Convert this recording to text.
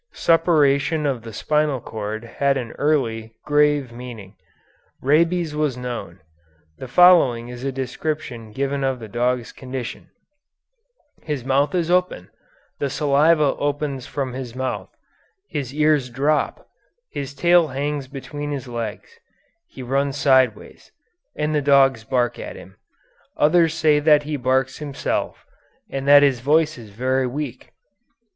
Suppuration of the spinal cord had an early, grave meaning. Rabies was known. The following is a description given of the dog's condition: 'His mouth is open, the saliva issues from his mouth; his ears drop; his tail hangs between his legs; he runs sideways, and the dogs bark at him; others say that he barks himself, and that his voice is very weak.